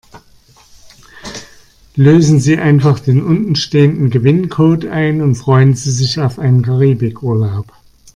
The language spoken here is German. Lösen Sie einfach den unten stehenden Gewinncode ein und freuen Sie sich auf einen Karibikurlaub.